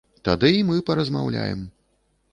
Тады і мы паразмаўляем.